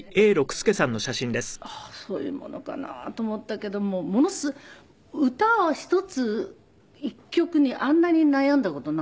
ああそういうものかなと思ったけども歌一つ１曲にあんなに悩んだ事ないです。